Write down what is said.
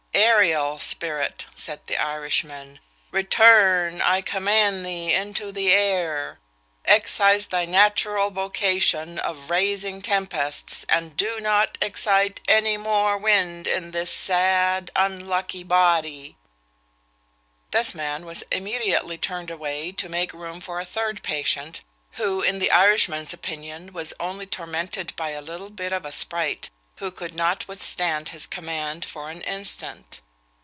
'Aerial spirit,' said the Irishman, 'return, I command thee, into the air; exercise thy natural vocation of raising tempests, and do not excite any more wind in this sad unlucky body!' This man was immediately turned away to make room for a third patient, who, in the Irishman's opinion, was only tormented by a little bit of a sprite, who could not withstand his command for an instant.